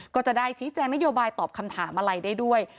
ก็จะได้ชี้แจงนโยบายตอบคำถามอะไรได้ด้วย